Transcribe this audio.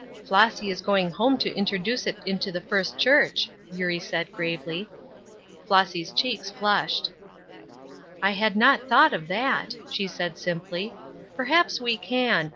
"Flossy is going home to introduce it into the First Church," Eurie said, gravely. Flossy's cheeks flushed. "I had not thought of that," she said, simply; "perhaps we can.